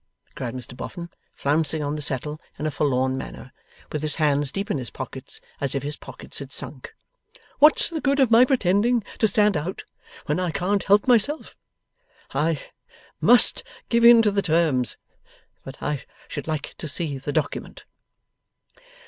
cried Mr Boffin, flouncing on the settle in a forlorn manner, with his hands deep in his pockets, as if his pockets had sunk. 'What's the good of my pretending to stand out, when I can't help myself? I must give in to the terms. But I should like to see the document.